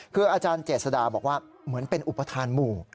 คืออาจารย์เจษฎาบอกว่าเหมือนเป็นอุปทานหมู่